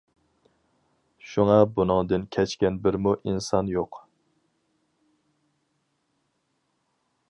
شۇڭا بۇنىڭدىن كەچكەن بىرمۇ ئىنسان يوق!